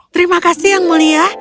terima kasih yang mulia